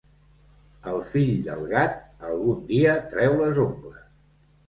El fill del gat, algun dia treu les ungles.